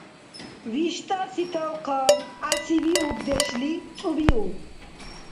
ВиштӀаси талхъан, гӀясивиубдешли цӀубиуб.